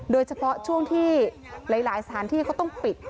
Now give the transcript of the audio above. โดยเฉพาะช่วงที่หลายสถานที่เขาต้องปิด